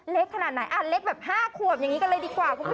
ขนาดไหนอ่ะเล็กแบบ๕ขวบอย่างนี้กันเลยดีกว่าคุณผู้ชม